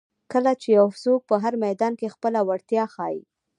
کله چې یو څوک په هر میدان کې خپله وړتیا ښایي.